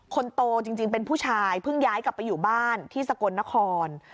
คนโตจริงเป็นผู้ชายเพิ่งย้ายกลับไปอยู่บ้านที่สกลนคร